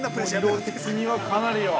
◆色的には、かなりよ。